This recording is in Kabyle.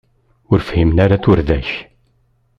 Ur fhimen ara turda-k.